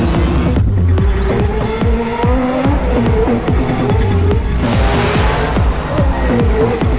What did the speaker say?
ไอพี่มองวัลแล้วโทษค่ะ